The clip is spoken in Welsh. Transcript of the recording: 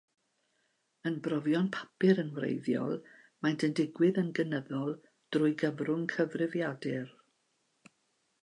Yn brofion papur yn wreiddiol, maent yn digwydd yn gynyddol drwy gyfrwng cyfrifiadur.